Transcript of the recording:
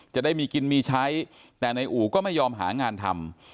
จะได้มีกินมีใช้แต่ในอู่ก็ไม่ยอมหางานทำ